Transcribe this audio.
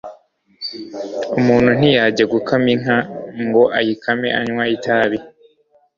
Umuntu ntiyajya gukama inka ngo ayikame anywa itabi